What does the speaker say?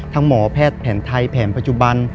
หมอแพทย์แผนไทยแผนปัจจุบัน